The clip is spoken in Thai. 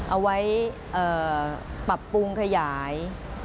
เอาไว้ปรับปรุงขยาย